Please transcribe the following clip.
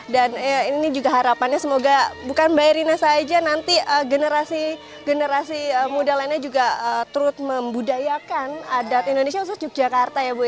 dan ini juga harapannya semoga bukan mbak erlina saja nanti generasi generasi muda lainnya juga terus membudayakan adat indonesia khusus yogyakarta ya bu ya